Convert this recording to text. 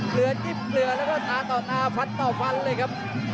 เหลือจิ้มเหลือแล้วก็ตาต่อตาฟันต่อฟันเลยครับ